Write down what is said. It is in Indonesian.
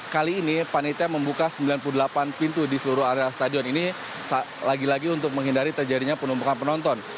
kali ini panitia membuka sembilan puluh delapan pintu di seluruh area stadion ini lagi lagi untuk menghindari terjadinya penumpukan penonton